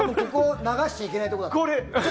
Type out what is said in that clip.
流しちゃいけないところだった。